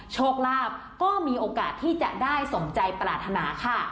โชคลาภก็มีโอกาสที่จะได้สมใจปรารถนาค่ะ